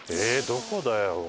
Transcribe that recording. どこだよ？